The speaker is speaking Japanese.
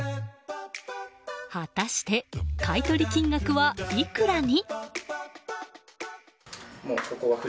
果たして買い取り金額はいくらに？